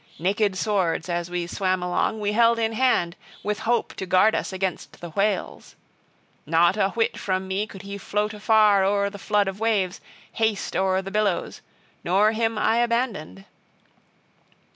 Naked swords, as we swam along, we held in hand, with hope to guard us against the whales. Not a whit from me could he float afar o'er the flood of waves, haste o'er the billows; nor him I abandoned.